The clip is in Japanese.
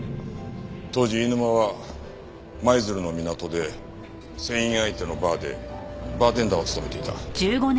当時飯沼は舞鶴の港で船員相手のバーでバーテンダーを務めていた。